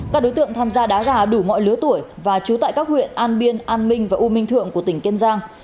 các đối tượng tham gia đá gà đủ mọi lứa tuổi và trú tại các huyện an biên an minh và u minh thượng của tỉnh kiên giang